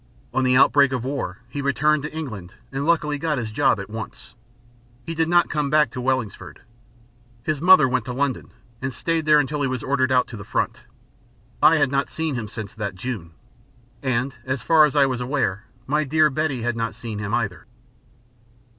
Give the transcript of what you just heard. On the outbreak of war he returned to England and luckily got his job at once. He did not come back to Wellingsford. His mother went to London and stayed there until he was ordered out to the front. I had not seen him since that June. And, as far as I am aware, my dear Betty had not seen him either.